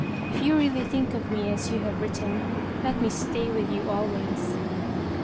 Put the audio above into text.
If you really think of me as you have written, let me stay with you always."